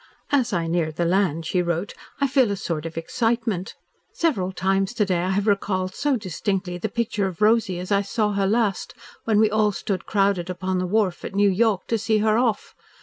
"As I near the land," she wrote, "I feel a sort of excitement. Several times to day I have recalled so distinctly the picture of Rosy as I saw her last, when we all stood crowded upon the wharf at New York to see her off.